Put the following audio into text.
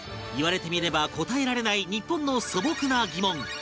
言われてみれば答えられない日本の素朴な疑問